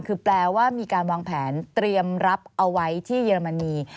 คือแปลว่ามีการวางแผนเตรียมรับเอาไว้ที่เยอรมนี